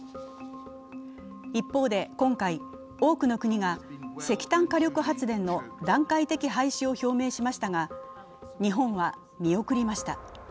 一方で今回、多くの国が石炭火力発電の段階的廃止を表明しましたが、日本は見送りました。